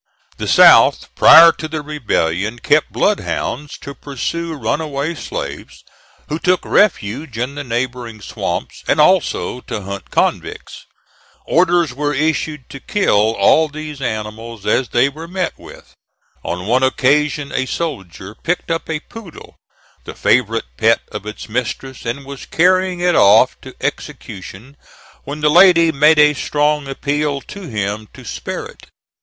The South, prior to the rebellion, kept bloodhounds to pursue runaway slaves who took refuge in the neighboring swamps, and also to hunt convicts. Orders were issued to kill all these animals as they were met with. On one occasion a soldier picked up a poodle, the favorite pet of its mistress, and was carrying it off to execution when the lady made a strong appeal to him to spare it.